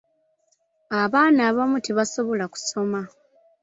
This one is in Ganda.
Abaana abamu tebasobola kusoma.